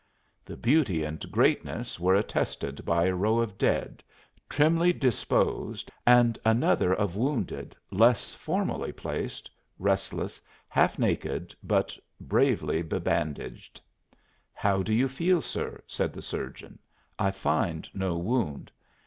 The beauty and greatness were attested by a row of dead, trimly disposed, and another of wounded, less formally placed, restless, half naked, but bravely bebandaged. "How do you feel, sir?" said the surgeon. "I find no wound."